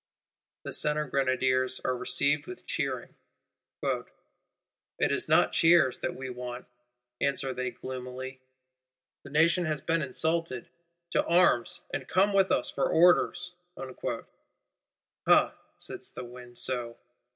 The Centre Grenadiers are received with cheering: 'it is not cheers that we want,' answer they gloomily; 'the nation has been insulted; to arms, and come with us for orders!' Ha, sits the wind _so?